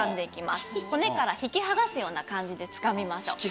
骨から引き剥がすような感じでつかみましょう。